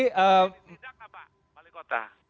tindak apa pak balik kota